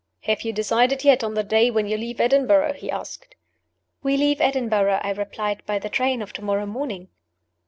"Have you decided yet on the day when you leave Edinburgh?" he asked. "We leave Edinburgh," I replied, "by the train of to morrow morning."